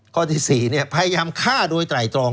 ข้อที่๔พยายามฆ่าโดยไตรตรอง